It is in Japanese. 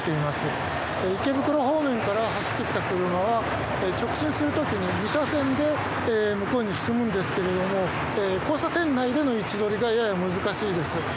池袋方面から走ってきた車は直進する時に２車線で向こうに進むんですけれども交差点内での位置取りがやや難しいです。